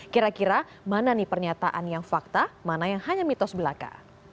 kira kira mana nih pernyataan yang fakta mana yang hanya mitos belaka